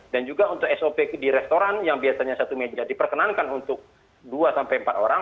dan juga untuk sop di restoran yang biasanya satu meja diperkenankan untuk dua sampai empat orang